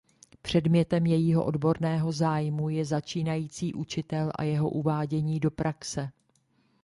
Předmětem jejího odborného zájmu je začínající učitel a jeho uvádění do praxe.